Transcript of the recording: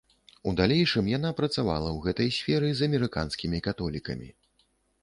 У далейшым яна працавала ў гэтай сферы з амерыканскімі католікамі.